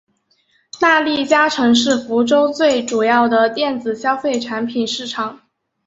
大利嘉城是福州最主要的电子消费产品市场。